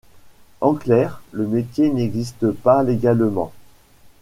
En clair, le métier n'existe pas légalement.